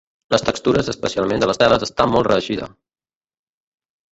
Les textures, especialment de les teles, està molt reeixida.